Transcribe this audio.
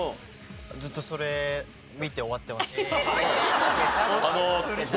ずっとそれ見て終わってました。